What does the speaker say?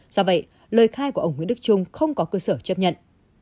do vậy lời khai của ông nguyễn đức trung không có cơ sở chấp nhận